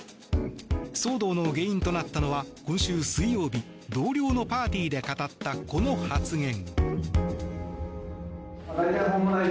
騒動の原因となったのは今週水曜日同僚のパーティーで語ったこの発言。